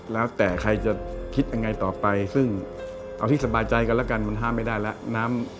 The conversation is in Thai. แล้วแต่ใครจะคิดยังไงต่อไปซึ่งเอาที่สบายใจกันแล้วกันมันห้ามไม่ได้แล้ว